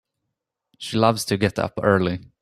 She loves to get up early.